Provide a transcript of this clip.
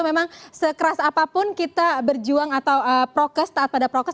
memang sekeras apapun kita berjuang atau prokes taat pada prokes